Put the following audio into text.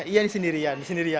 iya ini sendirian sendirian